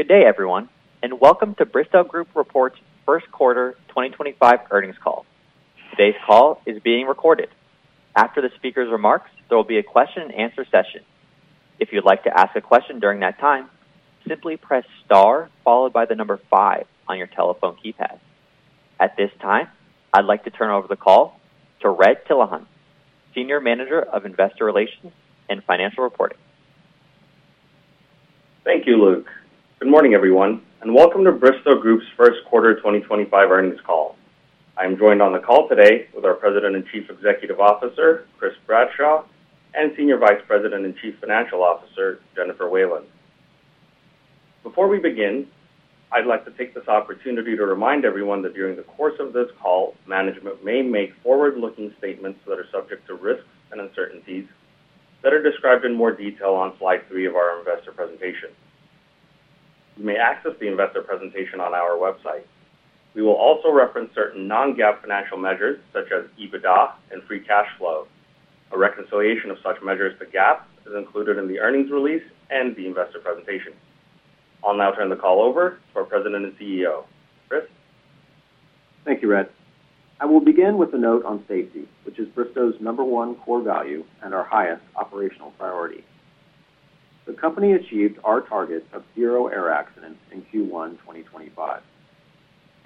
Good day, everyone, and welcome to Bristow Group Report's first quarter 2025 earnings call. Today's call is being recorded. After the speaker's remarks, there will be a question-and-answer session. If you'd like to ask a question during that time, simply press star followed by the number five on your telephone keypad. At this time, I'd like to turn over the call to Red Tilahun, Senior Manager of Investor Relations and Financial Reporting. Thank you, Luke. Good morning, everyone, and welcome to Bristow Group's first quarter 2025 earnings call. I am joined on the call today with our President and Chief Executive Officer, Chris Bradshaw, and Senior Vice President and Chief Financial Officer, Jennifer Whalen. Before we begin, I'd like to take this opportunity to remind everyone that during the course of this call, management may make forward-looking statements that are subject to risks and uncertainties that are described in more detail on slide three of our investor presentation. You may access the investor presentation on our website. We will also reference certain non-GAAP financial measures such as EBITDA and free cash flow. A reconciliation of such measures to GAAP is included in the earnings release and the investor presentation. I'll now turn the call over to our President and CEO, Chris. Thank you, Red. I will begin with a note on safety, which is Bristow's number one core value and our highest operational priority. The company achieved our target of zero air accidents in Q1 2025.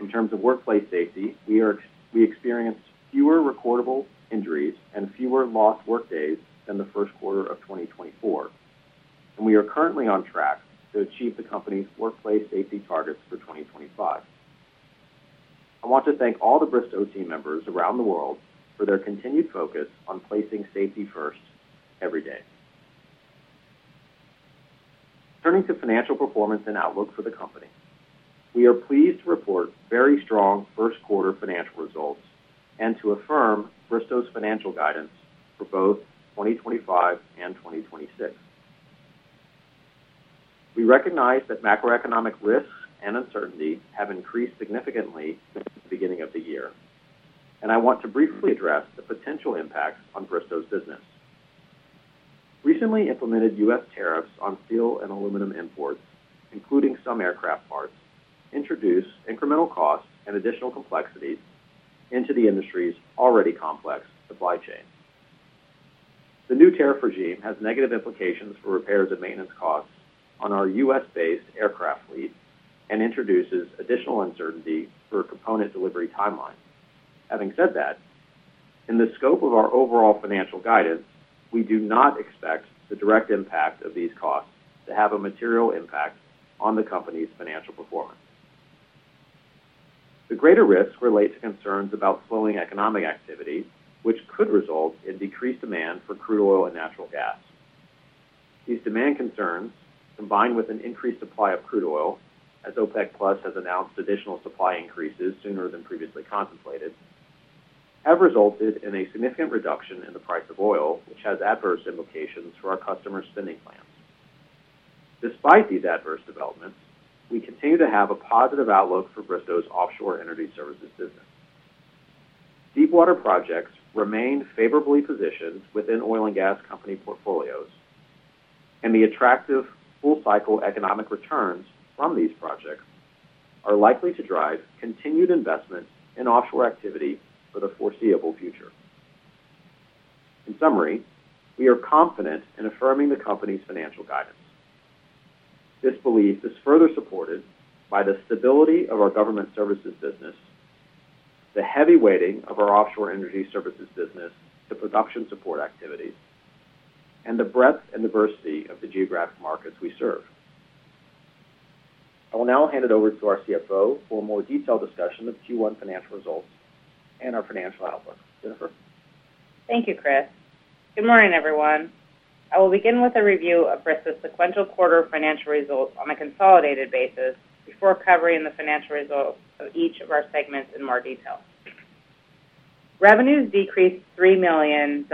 In terms of workplace safety, we experienced fewer recordable injuries and fewer lost workdays than the first quarter of 2024, and we are currently on track to achieve the company's workplace safety targets for 2025. I want to thank all the Bristow team members around the world for their continued focus on placing safety first every day. Turning to financial performance and outlook for the company, we are pleased to report very strong first quarter financial results and to affirm Bristow's financial guidance for both 2025 and 2026. We recognize that macroeconomic risks and uncertainty have increased significantly since the beginning of the year, and I want to briefly address the potential impacts on Bristow's business. Recently implemented U.S. tariffs on steel and aluminum imports, including some aircraft parts, introduce incremental costs and additional complexities into the industry's already complex supply chain. The new tariff regime has negative implications for repairs and maintenance costs on our U.S.-based aircraft fleet and introduces additional uncertainty for component delivery timelines. Having said that, in the scope of our overall financial guidance, we do not expect the direct impact of these costs to have a material impact on the company's financial performance. The greater risks relate to concerns about slowing economic activity, which could result in decreased demand for crude oil and natural gas. These demand concerns, combined with an increased supply of crude oil, as OPEC+ has announced additional supply increases sooner than previously contemplated, have resulted in a significant reduction in the price of oil, which has adverse implications for our customers' spending plans. Despite these adverse developments, we continue to have a positive outlook for Bristow's offshore energy services business. Deepwater projects remain favorably positioned within oil and gas company portfolios, and the attractive full-cycle economic returns from these projects are likely to drive continued investment in offshore activity for the foreseeable future. In summary, we are confident in affirming the company's financial guidance. This belief is further supported by the stability of our government services business, the heavy weighting of our offshore energy services business to production support activities, and the breadth and diversity of the geographic markets we serve. I will now hand it over to our CFO for a more detailed discussion of Q1 financial results and our financial outlook. Jennifer. Thank you, Chris. Good morning, everyone. I will begin with a review of Bristow's sequential quarter financial results on a consolidated basis before covering the financial results of each of our segments in more detail. Revenues decreased $3 million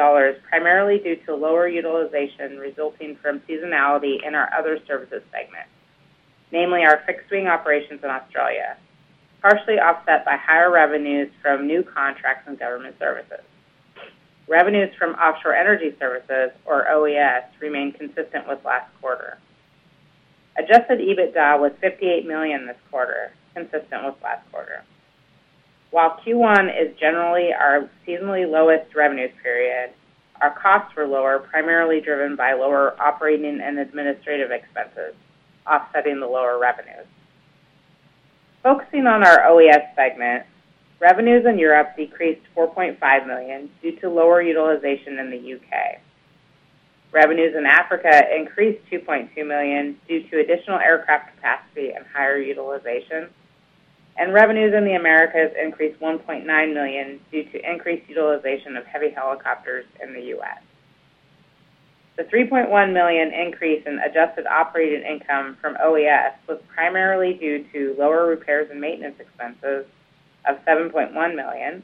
primarily due to lower utilization resulting from seasonality in our other services segment, namely our fixed-wing operations in Australia, partially offset by higher revenues from new contracts and government services. Revenues from offshore energy services, or OES, remained consistent with last quarter. Adjusted EBITDA was $58 million this quarter, consistent with last quarter. While Q1 is generally our seasonally lowest revenue period, our costs were lower, primarily driven by lower operating and administrative expenses, offsetting the lower revenues. Focusing on our OES segment, revenues in Europe decreased $4.5 million due to lower utilization in the U.K. Revenues in Africa increased $2.2 million due to additional aircraft capacity and higher utilization, and revenues in the Americas increased $1.9 million due to increased utilization of heavy helicopters in the U.S. The $3.1 million increase in adjusted operating income from OES was primarily due to lower repairs and maintenance expenses of $7.1 million,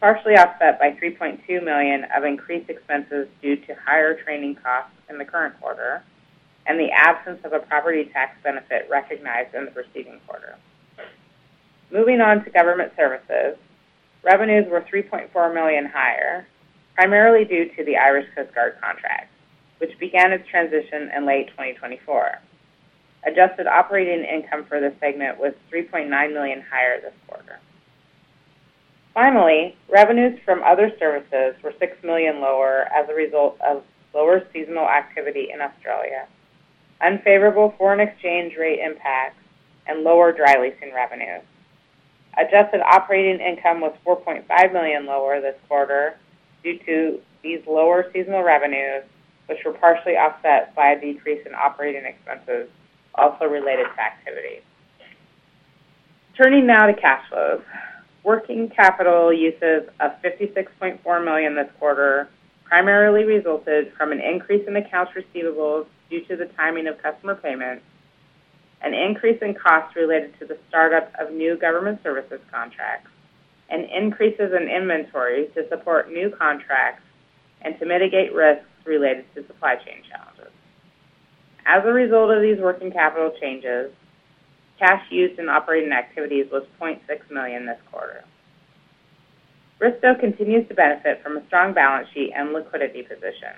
partially offset by $3.2 million of increased expenses due to higher training costs in the current quarter and the absence of a property tax benefit recognized in the preceding quarter. Moving on to government services, revenues were $3.4 million higher, primarily due to the Irish Coast Guard contract, which began its transition in late 2024. Adjusted operating income for this segment was $3.9 million higher this quarter. Finally, revenues from other services were $6 million lower as a result of lower seasonal activity in Australia, unfavorable foreign exchange rate impacts, and lower dry leasing revenues. Adjusted operating income was $4.5 million lower this quarter due to these lower seasonal revenues, which were partially offset by a decrease in operating expenses also related to activity. Turning now to cash flows, working capital uses of $56.4 million this quarter primarily resulted from an increase in accounts receivables due to the timing of customer payments, an increase in costs related to the startup of new government services contracts, and increases in inventory to support new contracts and to mitigate risks related to supply chain challenges. As a result of these working capital changes, cash used in operating activities was $0.6 million this quarter. Bristow continues to benefit from a strong balance sheet and liquidity position.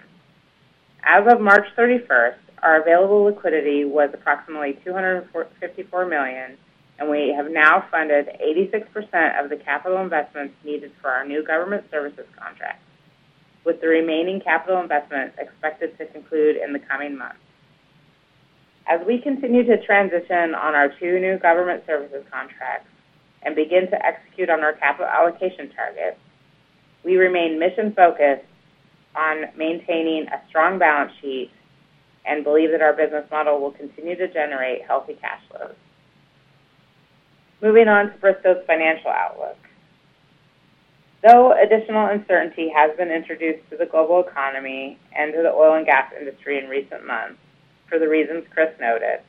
As of March 31, our available liquidity was approximately $254 million, and we have now funded 86% of the capital investments needed for our new government services contracts, with the remaining capital investments expected to conclude in the coming months. As we continue to transition on our two new government services contracts and begin to execute on our capital allocation targets, we remain mission-focused on maintaining a strong balance sheet and believe that our business model will continue to generate healthy cash flows. Moving on to Bristow's financial outlook. Though additional uncertainty has been introduced to the global economy and to the oil and gas industry in recent months for the reasons Chris noted,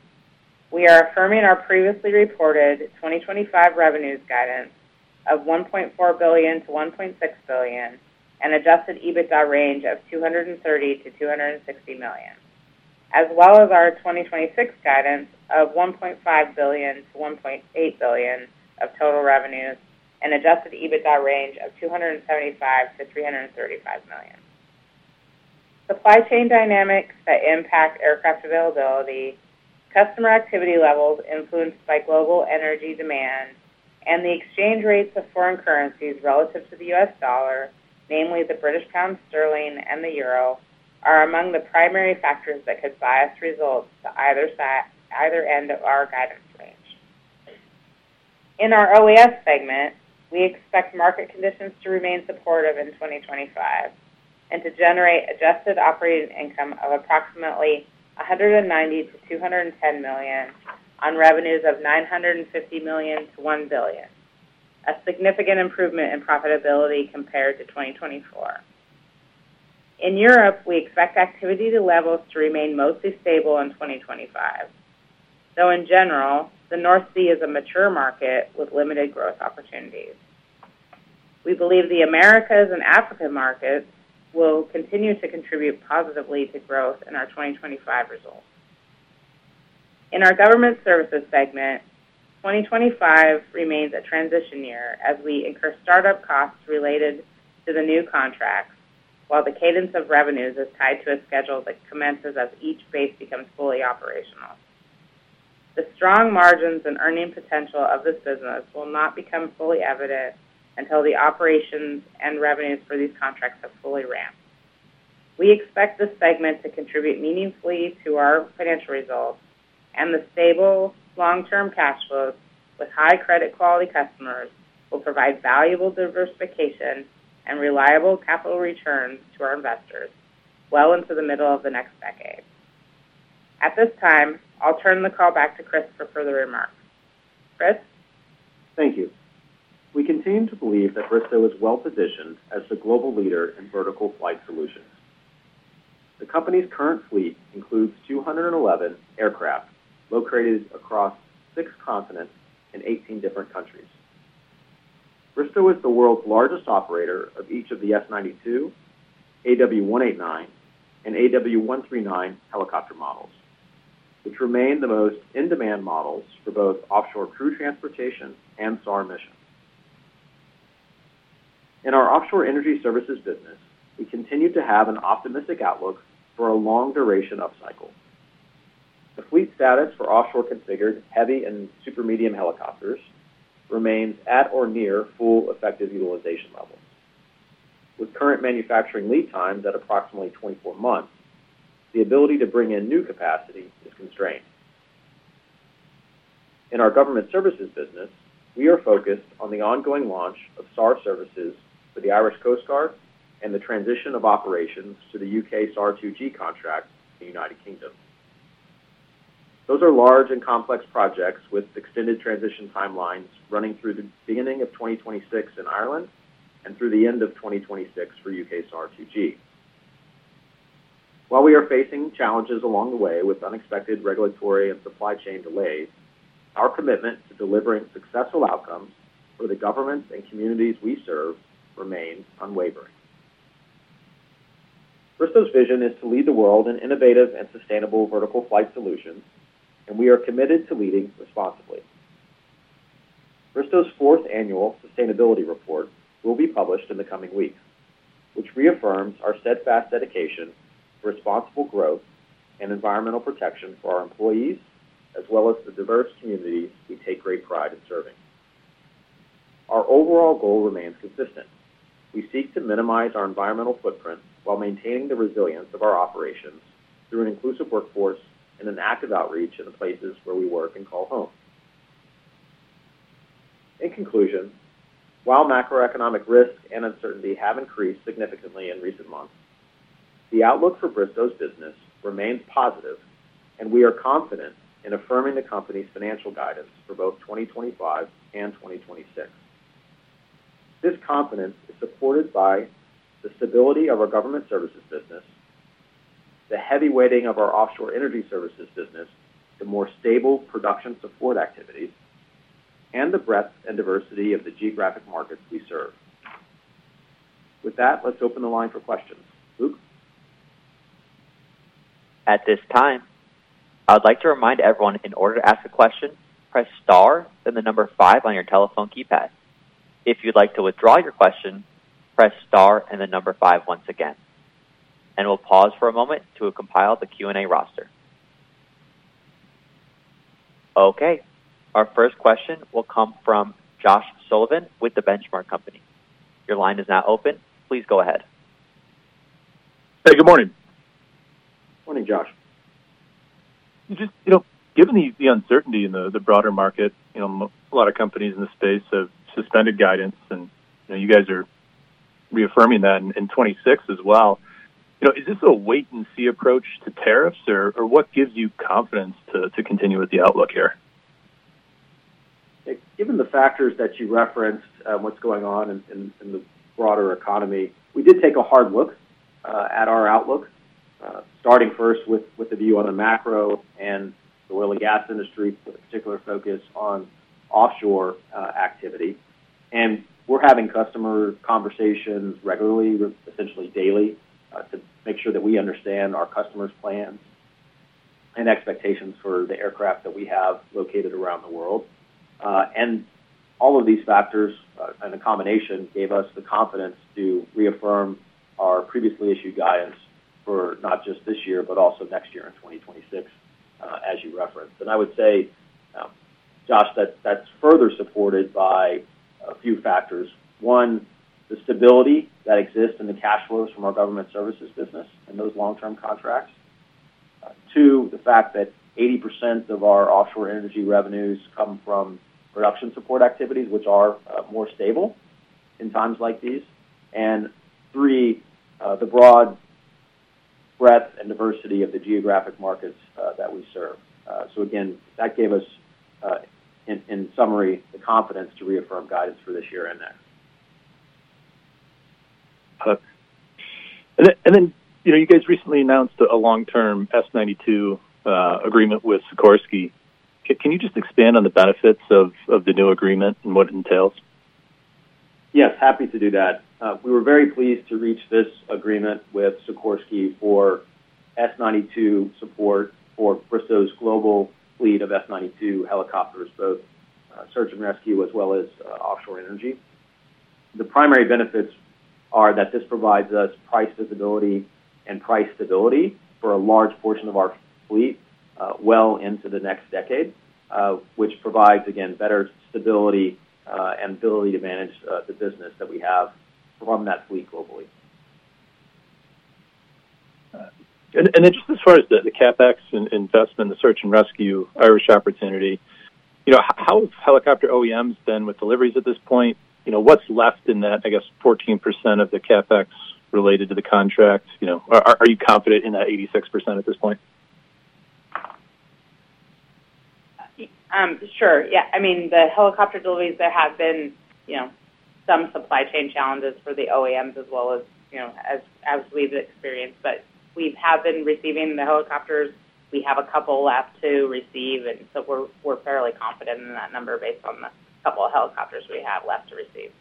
we are affirming our previously reported 2025 revenues guidance of $1.4 billion-$1.6 billion and adjusted EBITDA range of $230 million-$260 million, as well as our 2026 guidance of $1.5 billion-$1.8 billion of total revenues and adjusted EBITDA range of $275 million-$335 million. Supply chain dynamics that impact aircraft availability, customer activity levels influenced by global energy demand, and the exchange rates of foreign currencies relative to the U.S. dollar, namely the British pound sterling and the euro, are among the primary factors that could bias results to either end of our guidance range. In our OES segment, we expect market conditions to remain supportive in 2025 and to generate adjusted operating income of approximately $190 million-$210 million on revenues of $950 million-$1 billion, a significant improvement in profitability compared to 2024. In Europe, we expect activity levels to remain mostly stable in 2025, though in general, the North Sea is a mature market with limited growth opportunities. We believe the Americas and African markets will continue to contribute positively to growth in our 2025 results. In our government services segment, 2025 remains a transition year as we incur startup costs related to the new contracts, while the cadence of revenues is tied to a schedule that commences as each phase becomes fully operational. The strong margins and earning potential of this business will not become fully evident until the operations and revenues for these contracts have fully ramped. We expect this segment to contribute meaningfully to our financial results, and the stable long-term cash flows with high credit-quality customers will provide valuable diversification and reliable capital returns to our investors well into the middle of the next decade. At this time, I'll turn the call back to Chris for further remarks. Chris? Thank you. We continue to believe that Bristow is well-positioned as the global leader in vertical flight solutions. The company's current fleet includes 211 aircraft located across six continents and 18 different countries. Bristow is the world's largest operator of each of the S-92, AW189, and AW139 helicopter models, which remain the most in-demand models for both offshore crew transportation and SAR missions. In our offshore energy services business, we continue to have an optimistic outlook for a long duration upcycle. The fleet status for offshore configured heavy and super medium helicopters remains at or near full effective utilization levels. With current manufacturing lead times at approximately 24 months, the ability to bring in new capacity is constrained. In our government services business, we are focused on the ongoing launch of SAR services for the Irish Coast Guard and the transition of operations to the U.K. SAR-2G contract in the United Kingdom. Those are large and complex projects with extended transition timelines running through the beginning of 2026 in Ireland and through the end of 2026 for U.K. SAR-2G. While we are facing challenges along the way with unexpected regulatory and supply chain delays, our commitment to delivering successful outcomes for the governments and communities we serve remains unwavering. Bristow's vision is to lead the world in innovative and sustainable vertical flight solutions, and we are committed to leading responsibly. Bristow's fourth annual sustainability report will be published in the coming weeks, which reaffirms our steadfast dedication to responsible growth and environmental protection for our employees as well as the diverse communities we take great pride in serving. Our overall goal remains consistent. We seek to minimize our environmental footprint while maintaining the resilience of our operations through an inclusive workforce and an active outreach in the places where we work and call home. In conclusion, while macroeconomic risk and uncertainty have increased significantly in recent months, the outlook for Bristow's business remains positive, and we are confident in affirming the company's financial guidance for both 2025 and 2026. This confidence is supported by the stability of our government services business, the heavy weighting of our offshore energy services business to more stable production support activities, and the breadth and diversity of the geographic markets we serve. With that, let's open the line for questions. Luke? At this time, I would like to remind everyone in order to ask a question, press Star, then the number five on your telephone keypad. If you'd like to withdraw your question, press Star and the number five once again. We'll pause for a moment to compile the Q&A roster. Okay. Our first question will come from Josh Sullivan with The Benchmark Company. Your line is now open. Please go ahead. Hey, good morning. Morning, Josh. Just, you know, given the uncertainty in the broader market, you know, a lot of companies in the space have suspended guidance, and you guys are reaffirming that in 2026 as well. Is this a wait-and-see approach to tariffs, or what gives you confidence to continue with the outlook here? Given the factors that you referenced, what's going on in the broader economy, we did take a hard look at our outlook, starting first with the view on the macro and the oil and gas industry with a particular focus on offshore activity. We are having customer conversations regularly, essentially daily, to make sure that we understand our customers' plans and expectations for the aircraft that we have located around the world. All of these factors in combination gave us the confidence to reaffirm our previously issued guidance for not just this year, but also next year and 2026, as you referenced. I would say, Josh, that is further supported by a few factors. One, the stability that exists in the cash flows from our government services business and those long-term contracts. Two, the fact that 80% of our offshore energy revenues come from production support activities, which are more stable in times like these. Three, the broad breadth and diversity of the geographic markets that we serve. Again, that gave us, in summary, the confidence to reaffirm guidance for this year and next. You know, you guys recently announced a long-term S-92 agreement with Sikorsky. Can you just expand on the benefits of the new agreement and what it entails? Yes, happy to do that. We were very pleased to reach this agreement with Sikorsky for S-92 support for Bristow's global fleet of S-92 helicopters, both search and rescue as well as offshore energy. The primary benefits are that this provides us price visibility and price stability for a large portion of our fleet well into the next decade, which provides, again, better stability and ability to manage the business that we have from that fleet globally. Just as far as the CapEx investment, the search and rescue Irish opportunity, you know, how have helicopter OEMs been with deliveries at this point? You know, what's left in that, I guess, 14% of the CapEx related to the contract? You know, are you confident in that 86% at this point? Sure. Yeah. I mean, the helicopter deliveries, there have been, you know, some supply chain challenges for the OEMs as well as, you know, as we've experienced. But we have been receiving the helicopters. We have a couple left to receive, and so we're fairly confident in that number based on the couple of helicopters we have left to receive.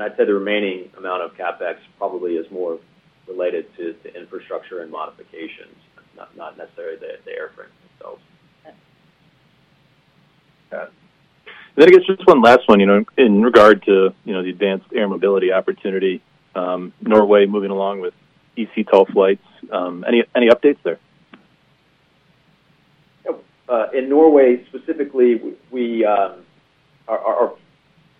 I'd say the remaining amount of CapEx probably is more related to infrastructure and modifications, not necessarily the airframes themselves. Okay. And then I guess just one last one, you know, in regard to, you know, the advanced air mobility opportunity, Norway moving along with eVTOL flights. Any updates there? In Norway specifically, we are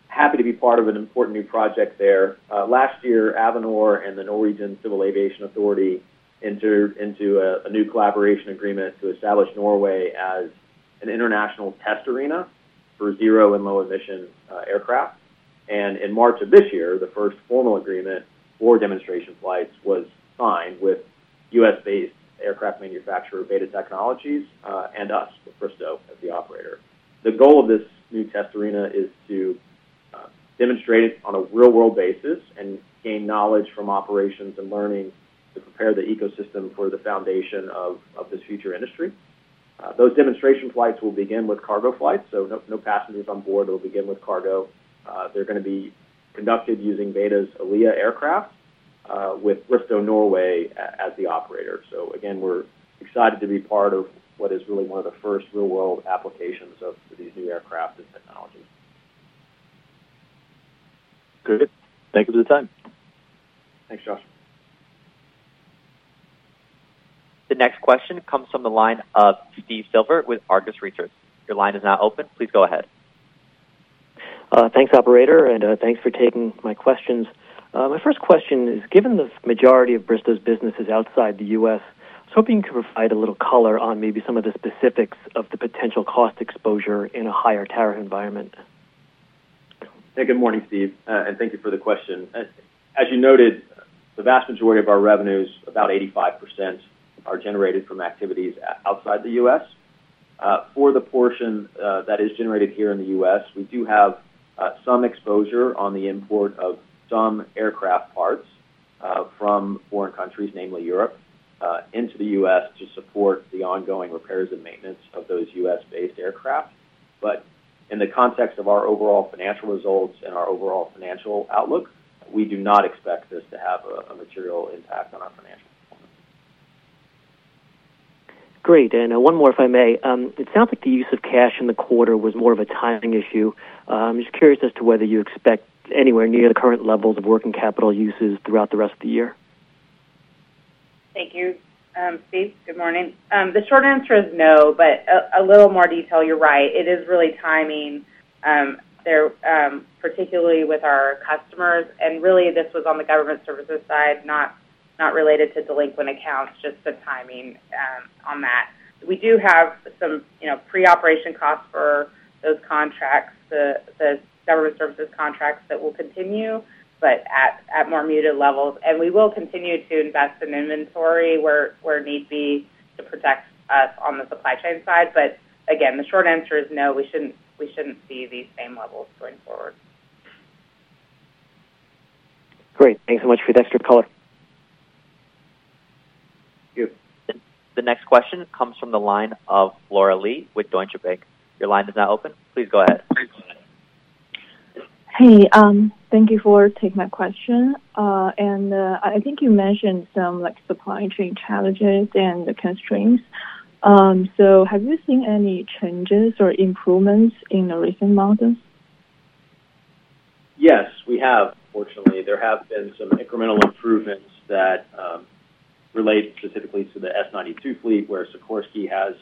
happy to be part of an important new project there. Last year, Avinor and the Norwegian Civil Aviation Authority entered into a new collaboration agreement to establish Norway as an international test arena for zero and low-emission aircraft. In March of this year, the first formal agreement for demonstration flights was signed with U.S.-based aircraft manufacturer Beta Technologies and us, Bristow, as the operator. The goal of this new test arena is to demonstrate it on a real-world basis and gain knowledge from operations and learning to prepare the ecosystem for the foundation of this future industry. Those demonstration flights will begin with cargo flights, so no passengers on board, will begin with cargo. They're going to be conducted using Beta's Alia aircraft with Bristow Norway as the operator. Again, we're excited to be part of what is really one of the first real-world applications of these new aircraft and technologies. Good. Thank you for the time. Thanks, Josh. The next question comes from the line of Steve Silver with Argus Research. Your line is now open. Please go ahead. Thanks, operator, and thanks for taking my questions. My first question is, given the majority of Bristow's business is outside the U.S., I was hoping you could provide a little color on maybe some of the specifics of the potential cost exposure in a higher tariff environment. Hey, good morning, Steve, and thank you for the question. As you noted, the vast majority of our revenues, about 85%, are generated from activities outside the U.S. For the portion that is generated here in the U.S., we do have some exposure on the import of some aircraft parts from foreign countries, namely Europe, into the U.S. to support the ongoing repairs and maintenance of those U.S.-based aircraft. In the context of our overall financial results and our overall financial outlook, we do not expect this to have a material impact on our financial performance. Great. One more, if I may. It sounds like the use of cash in the quarter was more of a timing issue. I'm just curious as to whether you expect anywhere near the current levels of working capital uses throughout the rest of the year. Thank you. Steve, good morning. The short answer is no, but a little more detail, you're right. It is really timing, particularly with our customers. It is really, this was on the government services side, not related to delinquent accounts, just the timing on that. We do have some pre-operation costs for those contracts, the government services contracts that will continue, but at more muted levels. We will continue to invest in inventory where need be to protect us on the supply chain side. Again, the short answer is no, we shouldn't see these same levels going forward. Great. Thanks so much for the extra color. Thank you. The next question comes from the line of Laura Lee with Deutsche Bank. Your line is now open. Please go ahead. Thank you for taking my question. I think you mentioned some supply chain challenges and the constraints. Have you seen any changes or improvements in the recent months? Yes, we have, fortunately. There have been some incremental improvements that relate specifically to the S-92 fleet, where Sikorsky has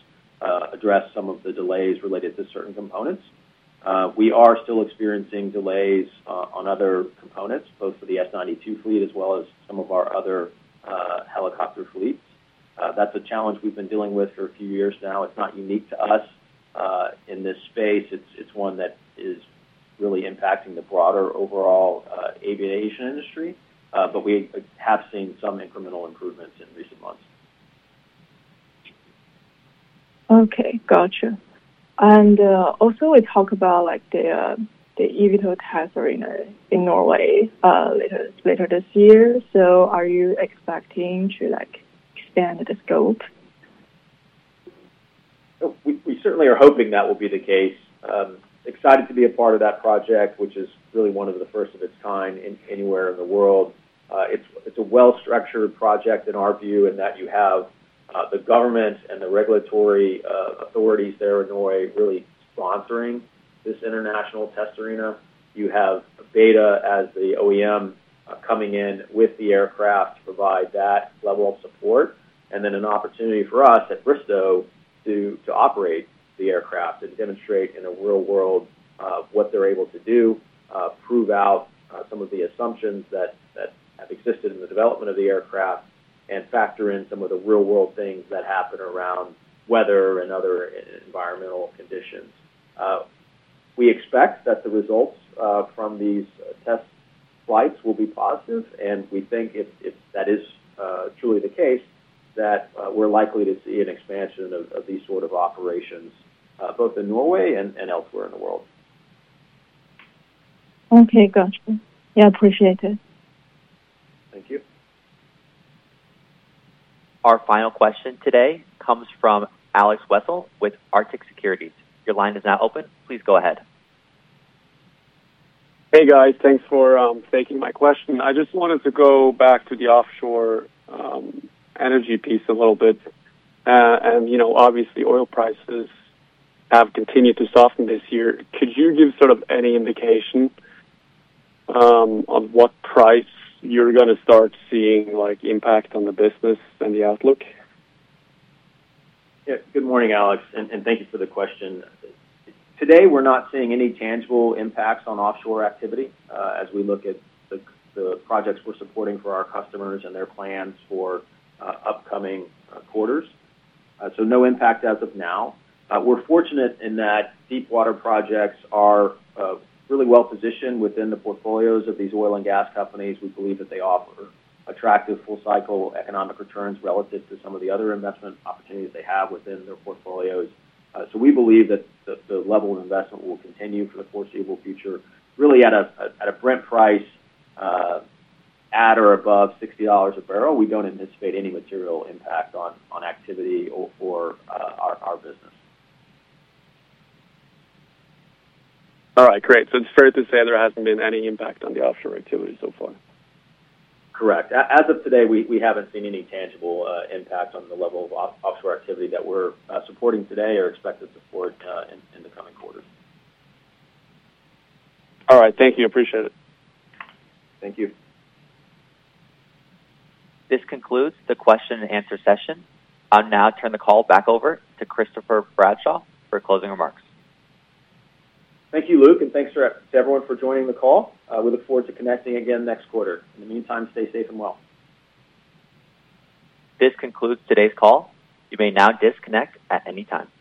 addressed some of the delays related to certain components. We are still experiencing delays on other components, both for the S-92 fleet as well as some of our other helicopter fleets. That's a challenge we've been dealing with for a few years now. It's not unique to us in this space. It's one that is really impacting the broader overall aviation industry, but we have seen some incremental improvements in recent months. Okay. Gotcha. Also, we talked about the eVTOL test arena in Norway later this year. Are you expecting to expand the scope? We certainly are hoping that will be the case. Excited to be a part of that project, which is really one of the first of its kind anywhere in the world. It is a well-structured project in our view in that you have the government and the regulatory authorities there in Norway really sponsoring this international test arena. You have Beta as the OEM coming in with the aircraft to provide that level of support, and then an opportunity for us at Bristow to operate the aircraft and demonstrate in a real world what they are able to do, prove out some of the assumptions that have existed in the development of the aircraft, and factor in some of the real-world things that happen around weather and other environmental conditions. We expect that the results from these test flights will be positive, and we think if that is truly the case, that we're likely to see an expansion of these sort of operations, both in Norway and elsewhere in the world. Okay. Gotcha. Yeah, appreciate it. Thank you. Our final question today comes from Alex Wessel with Arctic Securities. Your line is now open. Please go ahead. Hey, guys. Thanks for taking my question. I just wanted to go back to the offshore energy piece a little bit. You know, obviously, oil prices have continued to soften this year. Could you give sort of any indication of what price you're going to start seeing impact on the business and the outlook? Yeah. Good morning, Alex, and thank you for the question. Today, we're not seeing any tangible impacts on offshore activity as we look at the projects we're supporting for our customers and their plans for upcoming quarters. No impact as of now. We're fortunate in that deep-water projects are really well-positioned within the portfolios of these oil and gas companies. We believe that they offer attractive full-cycle economic returns relative to some of the other investment opportunities they have within their portfolios. We believe that the level of investment will continue for the foreseeable future, really at a Brent price at or above $60 a barrel. We do not anticipate any material impact on activity or our business. All right. Great. So it's fair to say there hasn't been any impact on the offshore activity so far? Correct. As of today, we haven't seen any tangible impact on the level of offshore activity that we're supporting today or expected to support in the coming quarter. All right. Thank you. Appreciate it. Thank you. This concludes the question-and-answer session. I'll now turn the call back over to Chris Bradshaw for closing remarks. Thank you, Luke, and thanks to everyone for joining the call. We look forward to connecting again next quarter. In the meantime, stay safe and well. This concludes today's call. You may now disconnect at any time.